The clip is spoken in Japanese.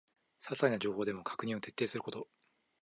ささいな情報でも確認を徹底すること